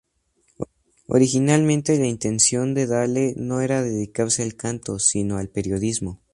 Originalmente la intención de Dale no era dedicarse al canto, sino al periodismo.